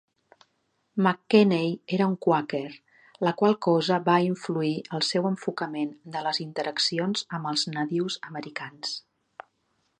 McKenney era un quàquer, la qual cosa va influir el seu enfocament de les interaccions amb els nadius americans.